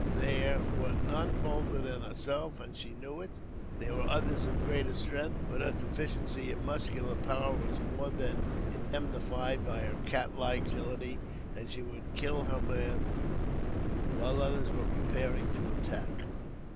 There ' was none bolder than herself, and she knew it ; there were others of greater strength, but her deficiency in muscular power was more than indemnified by her cat like agility, and she would kill her man while others were preparing to attack.